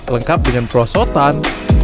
lengkap dengan prosotan